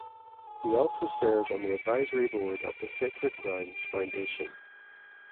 He also serves on the advisory board of the Sacred Grounds Foundation.